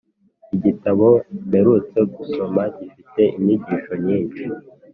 Igitabo mperutse gusoma gifite inyigisho nyinshi